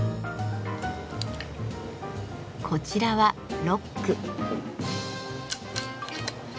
こちらは「ロック」。